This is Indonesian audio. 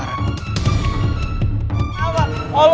oh lu ngarep ya gua kangen sama lo ya